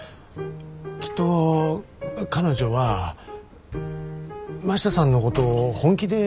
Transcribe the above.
きっと彼女は真下さんのことを本気で。